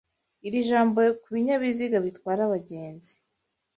Iri jambo kubinyabiziga bitwara abagenzi